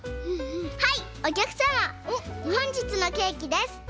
はいおきゃくさまほんじつのケーキです。